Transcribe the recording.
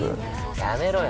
やめろよ